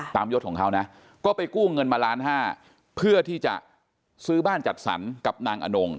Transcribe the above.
ยศของเขานะก็ไปกู้เงินมาล้านห้าเพื่อที่จะซื้อบ้านจัดสรรกับนางอนง